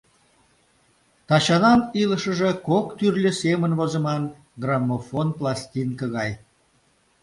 Тачанан илышыже кок тӱрлӧ семын возыман граммофон пластинке гай...